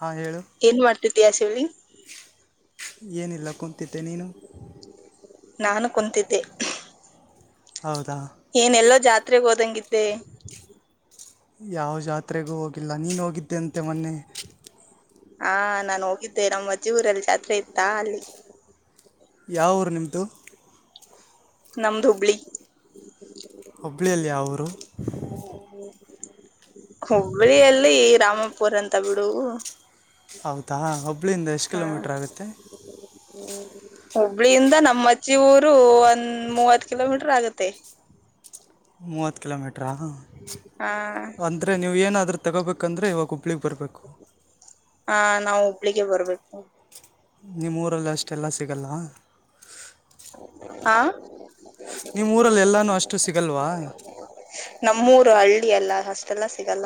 ಹಾಂ ಹೇಳು ಏನ್ ಮಾಡ್ತ [unintelligible] ಏನಿಲ್ಲ ಕುಂತಿದ್ದೆ ನೀನು ನಾನು ಕುಂತಿದ್ದೆ ಹೌದಾ ಏನೆಲ್ಲೋ ಜಾತ್ರೆ ಟ್ರಿಪ್ಪಿಗೆ ಹೋದಂಗಿದ್ದೆ ಯಾವ ಜಾತ್ರೆಗೂ ಹೋಗಿಲ್ಲ ನೀನು ಹೋಗಿದ್ದೆಂತೆ ಮೊನ್ನೆ. ಹಾ ನಾು ಹೋಗಿದ್ದೆ ನಮ್ಮ್ ಅಜ್ಜೆ ಊರಲ್ಲಿ ಜಾತ್ರೆ ಇತ್ತಾ ಅಲ್ಲಿ. ಯಾವ ಊರು ನಿಮ್ಮದು ನಮ್ದ ಹುಬ್ಳಿ. ಹುಬ್ಳ್ಳಿಯಲ್ಲಿ ಯಾವ ಊರು ಹುಬ್ಬಳ್ಳಿಯಲ್ಲಿ ರಾಮಪುರ ಅಂತ ಬಿಡು ಹೌದಾ ಹುಬ್ಳಿಯಿಂದ ಎಷ್ಟು ಹಾ ಕಿಲೋಮೀಟ್ರ್ ಆಗುತ್ತೆ ಹುಬ್ಳಿಯಿಂದ ನಮ್ಮ್ಜಿ ಊರು ಒಂದ್ ಮೂವತ್ ಕಿಲೋಮೀಟರ್ ಆಗತ್ತೆ ಮೂವತ್ತ ಕಿಲೋಮೀಟರು ಹಟ್ರಾ ಆ ಅಂದರೆ ನೀವು ಏನಾದ್ರೂ ತಗೋಬೇಕಂದ್ರೆ ಇವಾಗ ಹುಬ್ಳಿಗೆ ಬರ್ಬೇಕು ಹಾ ನಾವು ಹುಬ್ಳಿಗೆ ಬರ್ಬೇಕು ನಿಮ್ಮೂಊರಲ್ಲಿ ಅಷ್ಟೆಲ್ಲ ಸಿಗಲ್ಲ ಹಾ. ನಿಮ್ಮ ಊರಲ್ಲಿ ಎಲ್ಲಾನೂ ಅಷ್ಟು ಸಿಗಲ್ವಾ ನಮ್ಮೂರು ಹಳ್ಳಿ ಎಲ್ಲ ಅಷ್ಟೆಲ್ಲಾ ಸಿಗಲ್ಲ.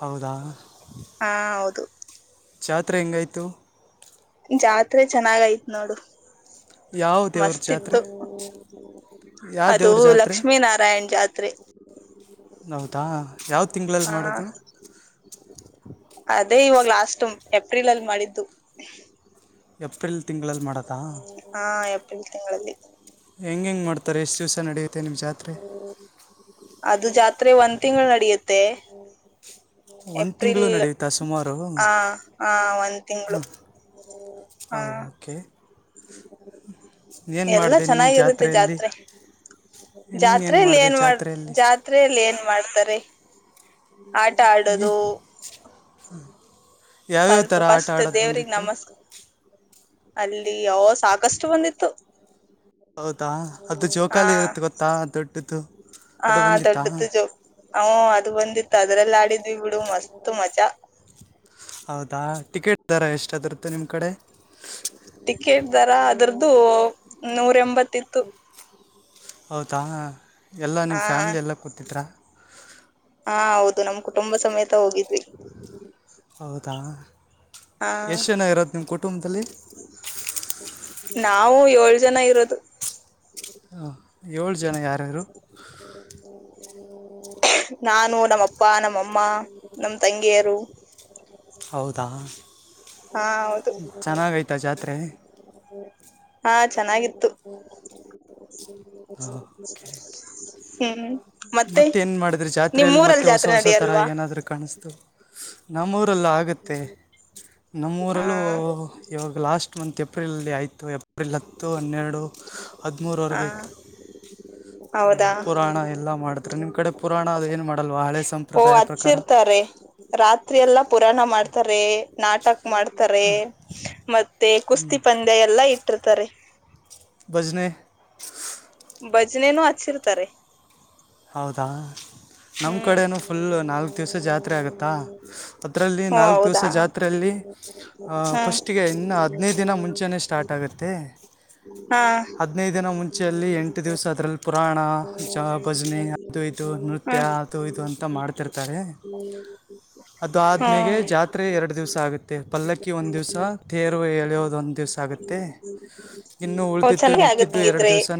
ಹೌದಾ. ಹಾ ಹೌದು ಜಾತ್ರೆ ಹೆಂಗಾಯ್ತು. ಇದ್ರೆ ಚೆನ್ನಾಗಯತ್ ನೋಡು. ಯಾವ ದೇವ್ರ ಮಸ್ತ್ ಜಾತ್ರೆ ಇತ್ತು ಯಾವ ಅದು ದೇವ್ರ ಜಾತ್ರೆ ಲಕ್ಷ್ಮೀ ನಾರಾಯಣ್ ಜಾತ್ರೆ. ತ್ರೆ. ಹೌದಾ ಯಾವ ತಿಂಗಳಲ್ಲಿ ಮಾಡೋದು. ಅದೇ ಇವಾಗ ಲಾಸ್ಟ್ ಏಪ್ರಿಲ್ ಅಲ್ಲಿ ಮಾಡಿದ್ದು. ಏಪ್ರಿಲ್ ತಿಂಗಳಲ್ಲಿ ಮಾಡದಾ. ಕೆ ತಿಂಗಳಲ್ಲಿ. ಹೆಂಗ ಹೆಂಗ ಮಾಡ್ತಾರೆ ಎಷ್ಟು ದಿವ್ಸ ನಡೀ. ಅದು ಜಾತ್ರೆ ಒಂದ್ ತಿಂಗಳು ನಡೆಯುತ್ತೆ. ತ್ತೆ ಒಂದು ತಿಂಗಳು ನಡೆಯುತ್ತಾ ಸುಮಾರು ಹಾಂ ಹ ಹ ಒಂದ್ ತಿಂಗಳು ಹಾಂ ಹ ಓಕೆ ಹ. ಎಲ್ಲಾ ಚೆನ್ನಾಗಿರುತ್ತೆ ಜಾತ್ರೆ ನೀನೇನು ಜಾತ್ರೆಯಲ್ಲಿ ಮಾಡಿದೆ ಏನ್ ಮಾಡ ಜಾತ್ರೆಯಲ್ಲಿ ಜಾತ್ರೆಯಲ್ಲಿ ಏನ್ ಮಾಡ್ತಾರೆ. ಆಟ ಆಡೋದು [inaudible] ಯಾವ್ಯಾವ ಸ್ವಲ್ಪ ಥರ ಆಟ ಫಸ್ಟ್ ಆಡೋದು ದೇವ್ರಗ್ ಬಂದಿತ್ತು. ನಮಸ್ ಅಲ್ಲಿ ಯೋ ಸಾಕಷ್ಟು ಬಂದಿತ್ತು. ಹೌದಾ ಅದು ಜೋಕಾಲಿ ಇರುತ್ತೆ ಗೊತ್ತಾ ದೊಡ್ಡ್ದು. ಹಾ ದೊಡ್ಡದು ಜು ಹ ಅದು ಬಂದಿತ್ತು ಅದ್ರಲ್ಲ ಆ. ಮಾಡಿದ್ವಿ ಬಿಡು ಮಸ್ತ್ ಮಜಾ. ಹೌದಾ ಟಿಕೆಟ್ ದರ ಎಷ್ಟಾದರುತ ನಿಮ್ಮ ಕಡೆ. ಟಿಕೆಟ್ ದರ ಅದ್ರ್ದು ನೂರ ಎಂಬತಿತ್ತು ಹೌದಾ ಎಲ್ಲ ನಿಮ್ಮ ಫ್ಯಾಮಿಲಿ ಎಲ್ಲ ಕೂತಿದ್ರಾ ದು ನಮ್ ಕುಟುಂಬ ಸಮೇತ ಹೋಗಿದ್ವಿ ಹೌದಾ ಹಾ ಎಷ್ಟು ಜನ ಇರೋದು ನಿಮ್ಮ ಕುಟುಂಬದಲ್ಲಿ ನಾವು ಏಳ್ ಜನ ಇರೋದು ಹಾ ಏಳು ಜನ ಯಾರ್ಯಾರು [unintelligible] ನಾನು ನಮ್ಮ ಅಪ್ಪ ನಮ್ಮಅಮ್ಮ ನಮ ತಂಗಿಯರು ಹೌದಾ ಹಾ ಹೌದು ಚೆನ್ನಾಗೈತಾ ಜಾತ್ರೆ ಹಾ ಚೆನ್ನಾಗಿತ್ತು [inaudible] ಹಹ್ಮ್ ಮತ್ತ ಎನ ಮಾಡಿದ್ರಿ ಜಾತ್ರೆಯಲ್ಲಿ ಮತ್ತೆ ಹೊಸ ಜಾತ್ರೆ ಹೊಸ ಥರ ನಡಿಯಲ್ವಾ ಏನಾದರೂ ಕಾಣಿಸ್ತು ನಮ್ಮ ಊರ ಇಲ್ ಆಗುತ್ತೆ ಹಾ ನಮ್ಮೂಊರಲ್ಲೂ ಇವಾಗ ಲಾಸ್ಟ್ ಇಮಂತ್ ಏಪ್ರಿಲ್ ಅಲ್ಲಿ ಆಯಿತು ಏಪ್ರಿಲ್ ಹತ್ತು ಹನ್ನೆರಡು ಹಾ ಹದಿಮೂರವರೆಗೂ ಇತ್ತು ಹೌದಾ ಪುರಾಣ ಎಲ್ಲ ಮಾಡ ತ್ರೆ ನಿಮ್ಮ ಕಡೆ ಪುರಾಣ ಅದ ಆಯ್ತ್ ಎನ್ ಮಾಡ ಓ ಹಚ್ಚಿರ್ತಾರೆ ರಾತ್ರಿ ಎಲ್ಲಾ ಪುರಾಣ ಮಾಡ್ತಾರೆ ನಾಟಕ ಮಾಡ್ತಾರೆ ಮತ್ತೆ ಕುಸ್ತಿ ಪಂದ್ಯ ಎಲ್ಲಾ ಇ ಇಟ್ಟಿರ್ತಾರೆ ಬಜನೆ ಭಜನೆನೂ ಹಚ್ಚಿರ್ತಾರೆ ಹೌದಾ ನಮ್ಮ ಹ್ಮ್ ಕಡೆನೂ ಫುಲ್ ನಾಲ್ಕು ದಿವಸ ಜಾತ್ರೆ ಆಗುತ್ತೆ ತ್ತಾ ಅದರಲ್ಲಿ ಓ ನಾಲ್ಕು ದಿವಸ ಹೌದಾ ಜಾತ್ರೆಯಲ್ಲಿ ಹಾ ಫಸ್ಟಿಗೆ ಇನ್ನ ಹದಿನೈದು ದಿನ ಮುಂಚೆನೆ ಸ್ಟಾರ್ಟ್ ಆಗುತ್ತೆ ಹಾ [inaudible] ಹದಿನೈದನ ಮುಂಚೆಯಲ್ಲಿ ಎಂಟು ದಿವ್ಸ ಅದರಲ್ಲಿ ಪುರಾಣ ಶಾಪ್ ಅ ಇದು ನೃತ್ಯ ಹ್ಮ್ ಅದು ಇದು ಅಂತ ಮಾಡ್ತಿರ್ತಾರೆ ಅದು್ಮೇಲೆ ಹ್ಮ್ ಜಾತ್ರೆ ಎರಡು ದಿವ್ಸ ಆಗುತ್ತೆ ಪಲ್ಲಕ್ಕಿ ಒಂದ್ ದಿವಸ ತೇರು ಎಳೆಯೋದು ಒಂದ ದಿವ್ಸ ಆಗುತ್ತೆ ಇನ್ನು ಉಳಿದಿದ್ದು ಚೆನ್ನಾಗಿ ಆಗತ್ ಮಿಕ್ಕಿದ್ದು ಎರಡು ಹಂಗಿದ್ರೆ ದಿವಸ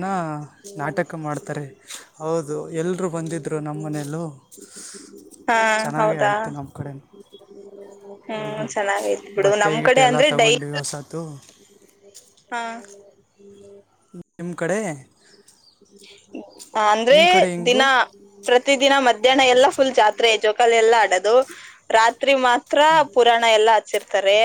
ನಾಟಕ ಕ್ಕ ಮಾಡ್ತಾರೆ ಹೌದು ಎಲ್ಲರೂ ಬಂದಿದ್ದರು ನಮ್ಮ ಮನೆಯಲ್ಲೂ ಹಾ ಚೆನ್ನಾಗೇ ಹೌದಾ ಆಯಿತು ನಮ್ಮ ಕಡೆ ಹ್ಮ್ ಚೆನ್ನಾಗೈತ್ ಬಿಡು ಬಟ್ಟೆ ನಮ್ ಗಿಟ್ಟೆ ಕಡೆ ಎಲ್ಲ ಅಂದ್ರೆ ಡೈಲ್ ತಗೊಂಡ್ವಿ ಹೊಸದು ಹಾ [inaudible] ನಿಮ ಕಡೆ ಅಂದ್ರೆ ನಿಮ್ಮ ಕಡೆ ಹಿಂಗೂ ದಿನಾ ಪ್ರತಿದಿನ ಮಧ್ಯಾಹ್ನ ಎಲ್ಲಾ ಫುಲ್ ಜಾತ್ರೆ ಜೋಕಾಲ ಎಲ್ಲ ಆಡದು ರಾತ್ ತ್ರಿ ಮಾತ್ರ ಪುರಾಣ ಎಲ್ಲಾ ಹಚ್ಚಿರ್ತಾರೆ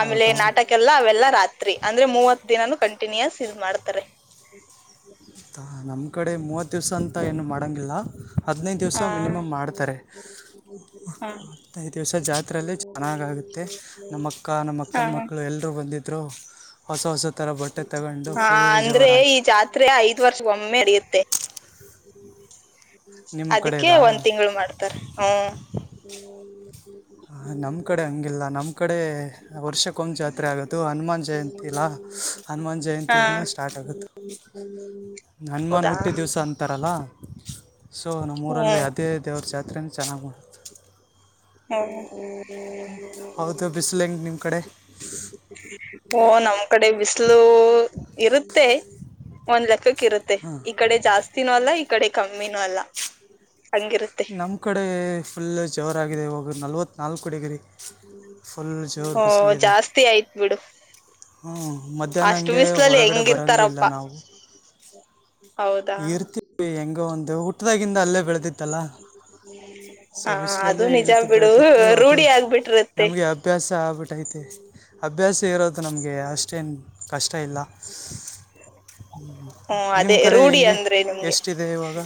ಆಮೇಲೆ ಹೌದಾ ನಾಟಕ ಎಲ್ಲ ಅವೆಲ್ಲಾ ರಾತ್ರಿ ಅಂದ್ರೆ ಮೂವತ್ ದಿನಾನು ಕಂಟಿನ್ಯೂ ಆಸ್ ಇದ ಮಾಡ್ತಾರೆ ಹ ಇತ್ತ ನಮ್ ಕಡೆ ಮೂವತ್ ದಿವಸ ಅಂತ ಏನು ಮಾಡಂಗಿಲ್ಲ ಹದಿನೈದು ದಿವಸ ಹ ಮಿನಿಮಮ್ ಮಾಡ್ತಾರೆ ಹ ಹದಿನೈದು ದಿವಸ ಜಾತ್ರೆಯಲ್ಲಿ ಚೆನ್ನಾಗುತ್ತೆ ನಮ್ಮಕ್ಕ ಹ ನಮ್ಮಕ್ಕನ ಮಕ್ಕಳು ಎಲ್ಲರೂ ಬಂದಿದ್ ದ್ರೋ ಹಾ ಅಂದ್ರೆ ಈ ಜೋರಾಯಿತು ಜಾತ್ರೆ ಆಯ್ತ ತೋರ್ಷ ಒಮ್ಮೆ ನಡೆಯುತ್ತೆ ನಿಮ್ಮ ಅದಕ್ಕೆ ಕಡೆದಾ ಒಂದ್ ತಿಂಗಗಳು ಮಾಡ್ತಾರೆ ಹ ಹ ನಮ್ ಕಡೆ ಹಂಗಿಲ್ಲ ನಮ್ಮ್ ಕಡೆ ವರ್ಷಕ್ಕೊಂದು ಜಾತ್ರೆ ಆಗೋದು ಹನುಮಾನ್ ಜಯಂತಿ ಇಿಲ್ಲ ಹನುಮನ್ ಹಾ ಜಯಂತಿದಿಂದ ಸ್ಟಾರ್ಟ್ ಆಗುತ್ತೆ ಹನುಮಾನ್ ಹೌದಾ ಹುಟ್ಟಿ ದಿವ್ಸ ಅಂತಾರಲ್ಲ ಸೊ ನಮ್ಮೂಊರಲ್ಲಿ ಹ್ಮ್ ಅದೇ ದೇವ್ರ ಜಾತ್ರೆ ಚೆನ್ನಾಗಿ್ ಮಾಡೆ [unintelligible] ಹ ಹ್ಮ್ ಹೌದು ಬಿಸಿಲು ಹೆಂಗೆ ನಿಮ್ಮ ಕಡೆ [unintelligible] ಓ ನಮ್ ಕಡೆ ಬಿಸಿಲು ಇರುತ್ತೆ ಒಂದ್ ಲಲೆಕ್ ಕಿರುತ್ತೆ ಈ ಕಡೆ ಜಾಸ್ತಿನೂ ಅಲ್ಲಾ ಇಕ ಕಡೆ ಕಮ್ಮಿನೂ ಅಲ್ಲ ಹಂಗಿರುತ್ತೆ ನಮ್ಮ ಕಡೆ ಫುಲ್ ಜವರ್ ಆಗಿದೆ ಇವಾಗ ನಲವತ್ತು ನಾಲ್ಕು ಡಿಗರಿ ಹಓ ಜಾಸ್ತಿ ಆಯ್ತ್ು ಬಿಡು ಅಷ್ಟು ಮಧ್ಯಾಹ್ನಂಗೆ ಬಿಸ್ಲಲ್ಲಿ ಹೊರಗಡೆ ಬರಂಗೆ ಇಲ್ಲ ಹೆಂಗಿರ್ತಾರಪ್ಪಾ ನಾವು ಹೌದಾ ಇರ್ತೀವಿ ಹೆಂಗ ಒಂದು ಹುಟ್ಟದಾಗಿಂದ ಅಲ್ಲೇ ಬೆಳೆದಿತ್ತಲ್ಲ ಹಾ ಅದು ನಿಜ ಇಳಿದು ಬಿಡು ಬೆಳೆದಿತ್ತು ಅದು ರೂಢಿ ಆಗ್ಬಿಟ್ಟಿರತ್ತೆ ನಮಗೆ ಅಭ್ಯಾಸ [unintelligible] ಅಭ್ಯಾಸ ಇರೋ ನಮಗೆ ಅಷ್ಟೇನು ಇಷ್ಟ ಇಲ್ಲ ಹ್ಮ್ ನಿಮ್ಮ ಅದೇ ಕಡೆ ರೂಢಿ ಹೆಂಗೆ ಅಂದ್ರೆ ನಿಮ್ಗೆ ಎಷ್ಟಿದೆ ಇವಾಗ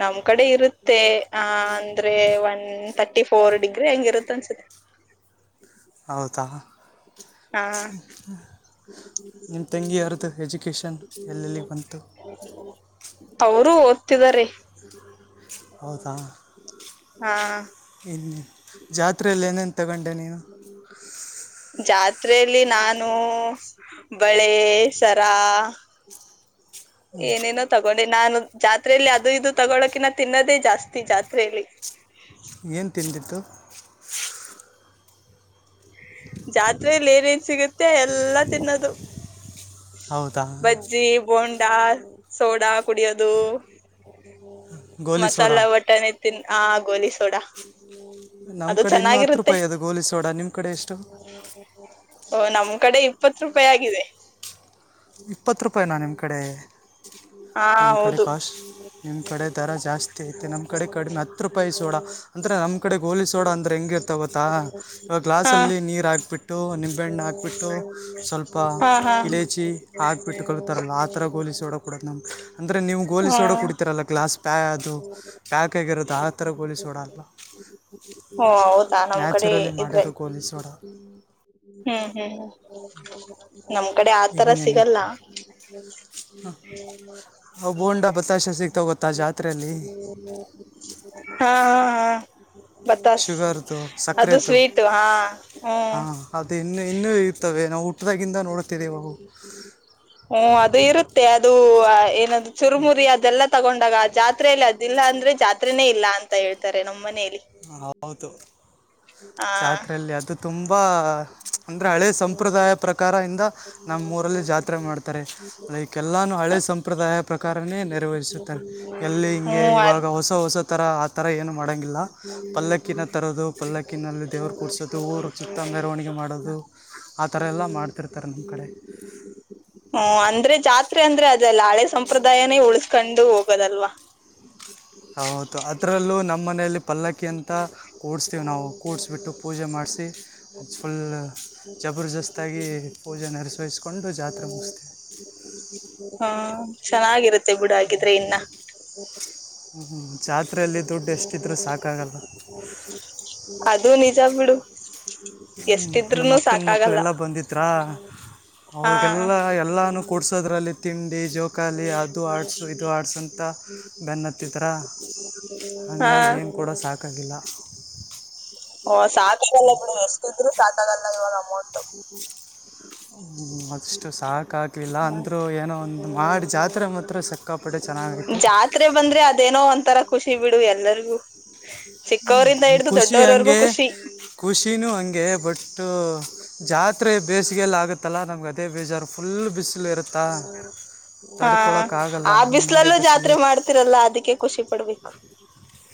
ನಮ್ ಕಡೆ ಇರುತ್ತೆ ಆ ಅಂದ್ರೆ ಒನ್ ಥರ್ಟಿ ಫೋರ್ ಡಿಗ್ರಿ ಹೆಂಗ ಇರುತ್ತ ಅನ್ಸುತ್ತೆ ಹೌದಾ ಹಾ ನಿಮ್ಮ ತಂಗಿಯರ್ದು ಎಜುಕೇಷನ್ ಎಲ್ಲೆಲ್ಲಿಗೆ ಬಂತು [inaudible] ಅವರು ತುದರೆ ಹೌದಾ ಹಾ ಇನ್ನು ಜಾತ್ರೆಯಲ್ಲಿ ಏನ ಜಾತ್ ಜಾತ್ರೆಯಲ್ಲಿ ನಾನು ಬಳೆ ಸರಾ ಏನೇನೋ ತಗೊಂಡೆ ನಾನು ಜಾತ್ರಲಿ ಅದು ಇದು ತಗೊಳಕಿಿನ ತಿನ್ನೋದೇ ಜಾಸ್ತಿ ಜಾತ್ರೆಯಲ್ಲಿ ಏನು ತಿಂದಿತ್ತು ಜಾತ್ರೆಯಲ್ಲಿ ಏನೇನ್ ಸಿಗುತ್ತೆ ಎಲ್ಲಾ ತಿನ್ನೋದು ಹೌದಾ ಬಜ್ಜಿ ಬೋಂಡ ಡಾ ಸೋಡಾ ಕುಡಿಯೋದು ಗೋಲಿ ಸೋಡಾ ಮಸಾಲಾ ವಟಾಣ ತಿನ್ ಆ ಗೋಲಿ ಸೋಡ ನಮ್ ಕಡೆ ಇನ್ನುೂ ಹತ್ತು ರೂಪಾಯಿ ಅದು ಗೋಲಿ ಸೋಡ ನಿಮ್ ಕಡೆ ಎಷ್ಟು ಓ ನಮ್ ಕಡೆ ಇಪ್ಪತ್ತು ರೂಪಾಯಿ ಆಗಿದೆ ಇಪ್ಪತ್ತು ರೂಪಾಯಿನಾ ನಿಮ್ಮ ಕಡೆ ಹಾ ನಿಮ್ಮ ಕಡೆ ಹೌದು ಕಾಸ್ಟ್ ನಿಮ್ಮ ಕಡೆ ದರ ಜಾಸ್ತಿ ಐತೆ ನಮ್ಮ ಕಡೆ ಕಡಿಮೆ ಹತ್ತು ರೂಪಾಯಿ ಸೋಡ ಅಂದರೆ ನಮ್ಮ ಕಡೆ ಗೋಲಿ ಸೋಡ ಅಂದರೆೆ ಹೆಂಗಿರ್ತ ಗೊತ್ತಾ ಇವಾಗ ಹಾ ಗ್ಲಾಸಲ್ಲಿ ನೀರು ಹಾಕ್ಬಿಟ್ಟು ನಿಂಬೆಹಣ್ಣು ಹಾಕ್ಿಬಿಟ್ಟು ಸ್ವಲ್ಪ ಹಾ ಹಾ ಇಲೇಚಿ ಹಾಕ್ಬಿಟ್ಕೊಳ್ತರಲ್ಲ ಆ ತರ ಗೋಲಿಸೋಡೋಕ್ ಕೊಡೋದು ನಮಗೆ ಅಂದರೆ ನೀವು ಗೋಲಿ ಸೋಡ ಹ್ಮ್ ಕುಡ್ತಿೀರಲ್ಲ ಗ್ಲಾಸ್ ಪ್ಯಾ ಅದು ಪ್ಯಾಕ್ ಆಗಿರೋದು ಆ ಥರ ಗೋಲಿ ಸೋಡ ಅಲ್ಲ ಓ ಹೌದಾ ನಮ್ ಕಡೆ ನ್ಯಾಚುರಲಿ ಇದ್ರೆ ಮಾಡಿರೋ ಗೋಲಿ ಸೋಡಾ ಹ್ಮ್ ಹ್ಮ್ ಹ್ಮ್ ನಮ್ ಕಡೆ ಆತರ ಇನ್ನೇನು ಸಿಗಲ್ಲ ಅವು ಬೋಂಡ ಬತ್ತಾಶ ಸಿಗ್ತಾವೆ ಗೊತ್ತಾ ಜಾತ್ರೆಯಲ್ಲಿ ್ಮ [inaudible] ಹ ಹಾ [unintelligible] ಹಾ ಬಾಸ್ ಶುಗರ್ದು ಅದು ಸಕ್ಕರೆದು ಸ್ವೀಟ್ ಹಾ ಹ್ಮ ಹಾಂ ಅದು ಇನ್ನೂ ಇನ್ನೂ ಇರ್ತವೆ ನಾವು [unintelligible] ಹುಟ್ದಾಗಿಂದ ನೋಡ್ತಿದ್ದೀವಿ ಅವು ಹ್ಮ ಅದು ಇರುತ್ತೆ ಅದು ಏನ ಚುರುಮುರಿ ಅದೆಲ್ಲ ತಗೊಂಡಾಗ ಜಾತ್ರೆಯಲ್ಲಿ ಅದಿಲ್ಲ ಅಂದ್ರೆ ಜಾತ್ನೇ ಇಲ್ಲ ಅಂತ ಹೇಳ್ತಾರೆ ನಮ್ಮ ಮನೆ [unintelligible] ಹೌದು ಹ ಜಾತ್ರೆಯಲ್ಲಿ ಅದು ತುಂಬ ತುಂಬ ಅಂದರೆ ಹಳೇ ಸಂಪ್ರದಾಯ ಪ್ರಕಾರ ಇಿಂದ ನಮ್ಮೂಊರಲ್ಲಿ ಜಾತ್ರೆ ಮಾಡ್ತಾರೆ ಲೈಕ್ ಎಲ್ಲಾನೂ ಹಳೆ ಸಂಪ್ರದಾಯ ಪ್ರಕಾರವೇ ನೆರವೇರಿಸುತ್ತಾರೆ ಎಲ್ಲಿ ಹಿಂಗೆ ಹ್ಮ್ ಅ ಇವಾಗ ಹೊಸ ಹೊಸ ಥರ ಆ ಥರ ಏನುೂ ಮಾಡೋಂಗಿಲ್ಲ ಪಲ್ಲಕ್ಕಿನ ತರೋದು ಪಲ್ಲಕ್ಕಿನಲ್ಲಿ ದೇವರು ಕುೂಡಸೋದು ಊರು ಸುತ್ತ ಮೆರವಣಿಗೆ ಮಾಡದು ನಮ್ಮ ಕಡೆ ಹ್ಮ ಅಂದ್ರೆ ಜಾತ್ [unintelligible] ್ರ ಅಂದ್ರೆ ಅದೆಲ್ಲ ಹಳೆ ಸಂಪ್ರದಾಯನೇ ಉಳಸ್ಕೊಂಡು ಹೋಗೋದಲ್ವಾ ಹೌದು ಅದರಲ್ಲೂ ನಮ್ಮ ಮನೆಯಲ್ಲಿ ಪಲ್ಲಕ್ಕಿ ಅಂತ ಕೂಡಿಸ್ತೀವಿ ನಾವು ಕೂಡ್ಿಸ್ಬಿಟ್ಟು ಪೂಜೆ ಮಾಡಿಸಿ [inaudible] ಫುಲ್ ಜಬರ್ದಸ್ತಾಗಿ ಪೂಜೆ ನೆರವೇರಿಸ್ಕೊಂಡು ಜಾತ್ರೆ ಮುಗಿಸ್ತೀವಿ ಚೆನ್ನಾಗಿರುತ್ತೆ ಬಿುಡ ಹಾಕಿದ್ರೆ ಇನ್ನ ಹ್ಮ್. ಜಾತ್ರೆಯಲ್ಲಿ ದುಡ್ಡು [unintelligible] ಎಷ್ಟಿದ್ರೂ ಸಾಕಾಗಲ್ಲ ಅದು ನಿಜ ಬಿಡು ನಮ್ಮ ಎಷ್ಟಿದ್ರುನು ಮಕ್ಕನ ಸಾಕಾಗಲ್ಲ ಮಕ್ಕಳೆಲ್ಲ ಬಂದಿದ್ರ ಹಾ ಅವ್ರಿಗೆಲ್ಲ ಎಲ್ಲೂ ಕೊಡ್ಸೋದ್ರಲ್ಲಿ ತಿಂಡಿ ಜೋಕಾಲಿ ಅದು ಆಡ್ಸು ಇದು ಆಡ್ಸು ಅಂತ ಬೆನ್ನತ್ತಿದ್ರ ಹಾ ಹಾಗಿ ಏನು ಕೂಡ ಸಾಕಾಗಿಲ್ಲ ಹ ಸಾಕಲ್ಲ [unintelligible] ಸತಾಗಾಲಲ್ಲ ಇವಾಗ ರಮ್ಮಾವ [unintelligible] ಅಷ್ಟು ಸಾಕಾಗಾಗಲಿಲ್ಲ ಅಂದರೂ ಏನೋ ಒಂದು ಮಾಡಿ ಜಾತ್ರೆ ಮಾತ್ರ ಸಕ್ಕಾಪಟ್ಟ ಚೆನ್ನಾಗಾಯತು ಜಾತ್ರೆ ಬಂದ್ರೆ ಅದೇನೋ ಒಂತರ ಖುಷಿ ಬಿಡು ಎಲ್ಲರಿಗೂ ಚಿಕ್ಕವರಿಂದ ಹ್ಮ್, ಹಿಡ್ದು ಖುಷಿ ದೊಡ್ಡವರವರ್ಗೂ ಹಂಗೆ ಖುಷಿ ಖುಷಿನೂ ಹಂಗೆ ಬಟ್ ಜಾತ್ರೆ ಬೇಸಿಗೆಯಲ್ಲ ಆಗುತ್ತೆ ತಲ್ಲ ನಂಗದೆೇ ಬಜಾರು ಹಾ ತಡ್ಕೊಳಕ್ಕಾಗಲ್ಲ ಆ ಹಂಗೆ ಬಿಸ್ಲಲ್ಲೂ ಬಿಸಿಲು ಜಾತ್ರೆ ಇರುತ್ತೆ ಮಾಡ್ತಿರಲ್ಲ ಅದಕ್ಕೆ ಖುಷಿ ಪಡ್ಬೇಕು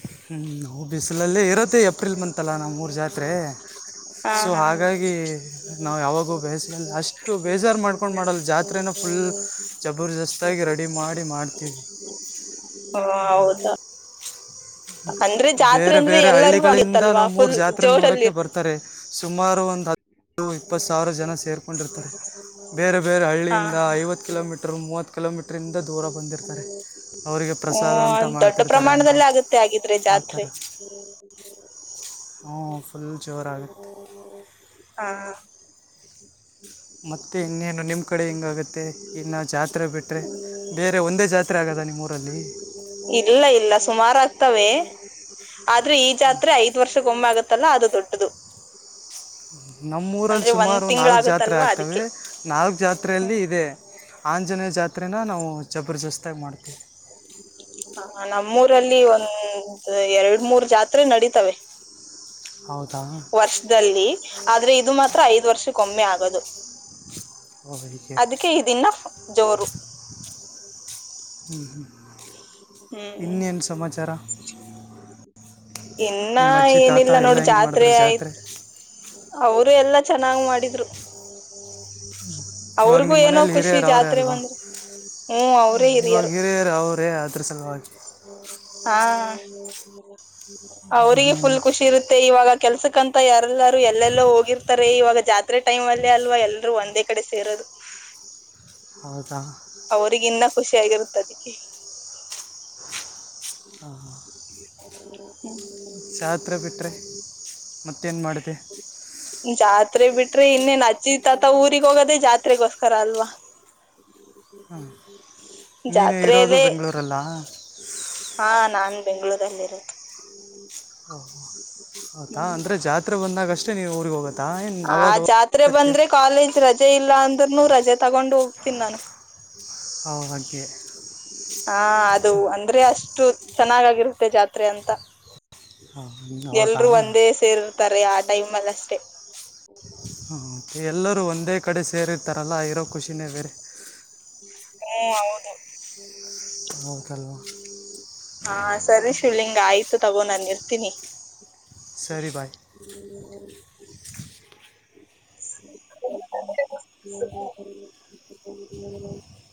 ಹ್ಮ್ ನಾವು ಬಿಸಿಲಲ್ಲೇ ಇರುತ್ತೆ ಏಪ್ರಿಲ್ ಮಂತಲ್ಲ ನಮ್ಮೂರ ಜಾತ್ರೆ ಹ ಸೊ ಹ ಹ ಹಾಗಾಗಿ ನಾವು ಯಾವಾಗೂ ಬೇಸಿಗೆಯಲ್ಲಿ ಅಷ್ಟು ಬೇಜಾರು ಮಾಡ್ಕೊಂಡು ಮಾಡಲ್ಲ ಜಾತ್ರೆನ ಫುಲ್ ಜಬರ್ದಸ್ತಾಗಿ ರೆಡಿ ಮಾಡಿ ಮಾಡ್ತೀವಿ ಹೌದಾ ಅಂದ್ರೆ ಜಾತ್ರೆ ಬೇರೆ ಅಂದ್ರೆ ಬೇರೆ ಎಲ್ಲರಿಗೂ ಹಳ್ಳಿಗಳಿಂದ ಆಗತ್ತಲ್ವಾ ನಮ್ಮೂರ ಫುಲ್ ಜಾತ್ರೆ ಜೋರಲ್ಲಿ ನೋಡೋಕ ಬರ್ತಾರೆ ಸುಮಾರು ಒಂದು್ ಹ ಇದು ಇಪ್ಪತ್ತು ಸಾವಿರ ಜನ ಸೇರಿಕೊಂಡಿರ್ತಾರೆ ಬೇರೆ ಬೇರೆ ಹಾ ಹಳ್ಳಿಯಿಂದ ಐವತ್ತು ಕಿಲೋಮೀಟರು ಮೂವತ್ತು ಕಿಲೋಮೀಟ್ರಂದ ದೂರ ಬಂದಿರ್ತಾರೆ ಅವರಿಗೆ ಹ್ಮ ಪ್ರಸಾದ ಅಂತ ದೊಡ್ಡ ಮಾಡ್ತಿರ್ತಾರೆ ಅನ್ನ ಪ್ರಮಾಣದಲ್ಲಿ ಆಗುತ್ತೆ ಆಗಿದ್ರೆ ಆ ಥರ ಜಾತ್ರೆ ಹ್ ಫುಲ್ ಜೋರಾಗುತ್ತೆ ಹಾ ಹ ಮತ್ತೆ ಇನ್ನೇನು ನಿಮ್ಮ ಕಡೆ ಹೆಂಗಾಗುತ್ತೆ ಇನ್ನು ಜಾತ್ರೆ ಬಿಟ್ಟರೆ ಬೇರೆ ಒಂದೇ ಜಾತ್ರೆ ಆಗದ ನಿಮ್ಮೂಊರಲ್ಲಿ ಸುಮಾರು ಆಗ್ತವೆ ಎನು ಇಲ್ಲ ಆದ್ರೆ ಈ ಜಾತ್ರೆ ಐದ್ ವರ್ಷಕ್ಕೊಮ್ಮೆ ಆಗತ್ತಲ್ಲ ಅದು ದೊಡ್ಡ ಅದು ನಮ್ಮ್ ಊರಲ್ಲಿ ಸುಮಾರು ನಾಲ್ಕು ಜಾತಿ ರೆ ಆಗುತ್ತಲ್ವಾ ಆತವೆ ಅದಕ್ಕೆ ನಾಲ್ಕು ಹ್ಮ್ ಜಾತ್ರೆಯಲ್ಲಿ ಇದೆ ಆಂಜನೇಯ ಜಾತ್ರೆನ ನಾವು ಪ್ರಜಸ್ತಿ ಹ ನಮ್ಮ ಲ್ಲಿ ಒಂದು ಎರಡ್ ಮೂರ್ ಜಾತ್ರೆ ನಡೀತವೆ ಹೌದಾ ವರ್ಷದಲ್ಲಿ ಆದ್ರೆ ಇದು ಮಾತ್ರ ಐದು ವರ್ಷಕ್ಕೊಮ್ಮೆ ಆಗದು ಓ ಹೀಗೆ ಅದಕ್ಕೆ ಇದನ್ನ ಜೋರು ಹ್ಞ ಹ್ಮಂ ಹ್ಮ್ ಇನ್ನೇನು ಸಮಾಚಾರ ಇನ್ನ ನಿಮ್ಮ ಅಜ್ಜಿ ತಾತ ಏನಿಲ್ಲ ಎಲ್ಲ ನೋಡ ಹೆಂಗೆ ಜಾತ್ರೆ ಮಾಡಿದ್ರು ಆಯ್ತು ಅವರು ಎಲ್ಲ ಚ ನಾವು ಮಾಡ್ರು ಹ ಇವಾಗ ಅವ್ರಿಗೂ ನಿಮ್ಮ ಏನೋ ಮನೇಲಿ ಖುಷಿ ಹಿರಿಯರು ಅವರೇ ಜಾತ್ರೆ ಅಲ್ವಾ ಬಂದ್ರೆ ಹ್ಮ ಅವ್ರೇ ಹಿರಿಯರು ಪ್ರಸಲಾಜ ಹ್ಮ ಹ್ಮ ಅವ್ರಿಗೆ ಫುಲ್ ಖುಷಿ ಇರುತ್ತೆ ಇವಾಗ ಕೆಲ್ಸಕ್ಕಂತ ಯಾರಲ್ಲಾರೂ ಎಲ್ಲೆಲ್ಲೋ ಹೋಗಿರ್ತಾರೆ ಇವಾಗ ಜಾತ್ರೆ ಟೈಮ್ ಅಲ್ಲೇ ಅಲ್ವಾ ಎಲ್ಲರೂ ಒಂದೇ ಕಡೆ ಸೇರೋದು ಹೌದಾ ಅವ್ರಗ ಇನ್ನ ಖುಷಿ ಆಗಿರುತ್ತ ಅದಕ್ಕೆ ಹಾ ಹಾ ಹ್ಮ್ ಜಾತ್ರೆ ಬಿಟ್ಟರೆ ಮತ್ ಜಾತ್ರೆ ಬಿ ಬಿಟ್ರೆ ಇನ್ನೇನ್ ಅಜ್ಜಿ ತಾತ ಊರಿಗೆ ಹೋಗೋದೇ ಜಾತ್ರೆಗೋಸ್ಕರ ಅಲ್ವಾ ನೀನು ಇರೋದು ಜಾತ್ರೆಯಲ್ಲಿ ಬೆಂಗಳೂರಲ್ಲ ಹಾ ನಾ ನ ಬೆಂಗ್ಳೂರಲ್ಲಿ ಇರೊದು ಓಹ ಹತಾ ಅಂದ್ರೆ ಜಾತ್ರೆ ಬಂದಾಗ ಅಷ್ಟೇ ನೀ ಊರ್ಗ ಹೋಗತ್ತಾ ಏನ್ ಆ ಅವಾಗಾಗೋಗತಿರ್ತ ನೂರ್ ರಜೆ ತಗೊಂಡು ಹೋಗ್ತೀನಿ ನಾನು ಹಾಗೆ ಹಾ ಅದು ಸ ಅಂದ್ರೆ ಅಷ್ಟು ಚೆನ್ನಾಗಾಗಿರುತ್ತೆ ಜಾತ್ರೆ ಅಂತ ಹ್ಮ್, ಹೌದಾ ಎಲ್ರುೂ ಹ್ಮ್, ಒಂದೇ ಸೇರ್ ತರೆ ಆ ಟೈಮ್ ಅಲ್ ಅಷ್ಟೇ [unintelligible] ಎಲ್ಲರೂ ಒಂದೇ ಕಡೆ ಸೇರಿರ್ತಾರಲ್ಲ ಇರೋ ಖುಷಿನೇ ಬೇರೆ ಹ್ಮ್ ಹೌದು ಹೌದಲ್ವ ಹಾ ಸರಿ ಸ ಶಿವಲಿಂಗ ಆಯ್ತು ತಗೋ ನಾನು ಇರ್ತೀನಿ ಸರಿ ಬಾಯ್ [unintelligible] [inaudible]